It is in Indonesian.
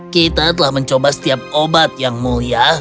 kita telah mencoba setiap obat yang mulia